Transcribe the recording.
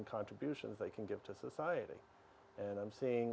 dan kontribusi yang mereka dapat berikan kepada masyarakat